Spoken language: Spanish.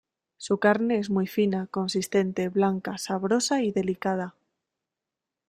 Su carne es muy fina, consistente, blanca, sabrosa y delicada.